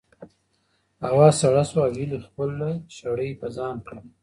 هوا سړه شوه او هیلې خپله شړۍ په ځان کړه.